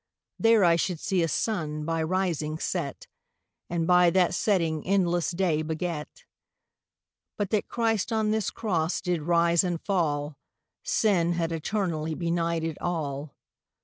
There I should see a Sunne, by rising set, And by that setting endlesse day beget; But that Christ on this Crosse, did rise and fall, Sinne had eternally benighted all.